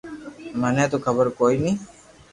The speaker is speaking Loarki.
مني تو خبر ڪوئي ني